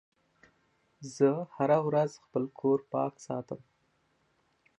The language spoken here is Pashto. زه هره ورځ خپل کور پاک ساتم.